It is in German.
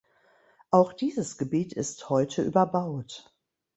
Auch dieses Gebiet ist heute überbaut.